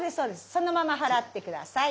そのまま払って下さい。